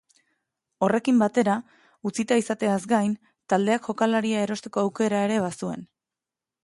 Horrekin batera, utzita izateaz gain, taldeak jokalaria erosteko aukera ere bazuen.